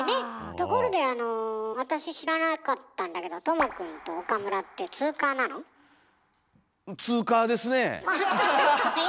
ところであの私知らなかったんだけどとも君と岡村ってツーカーですねえ。